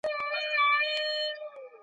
هغه د ټولو له پاره عدالت غواړي.